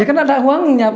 ya kan ada uangnya